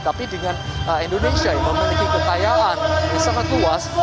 tapi dengan indonesia yang memiliki kekayaan yang sangat luas